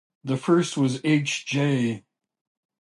The first was H. J.